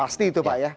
pasti itu pak ya